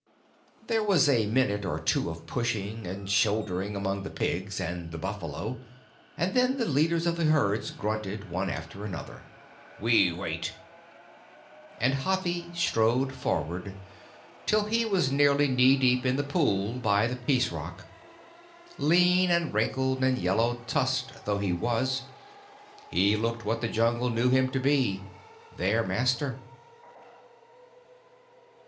There was a minute or two of pushing and shouldering among the pigs and the buffalo, and then the leaders of the herds grunted, one after another, "We wait," and Hathi strode forward till he was nearly knee deep in the pool by the Peace Rock. Lean and wrinkled and yellow tusked though he was, he looked what the Jungle knew him to be their master.